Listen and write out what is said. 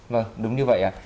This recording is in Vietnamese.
vâng đúng như vậy ạ